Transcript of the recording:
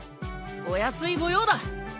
お安いご用だ。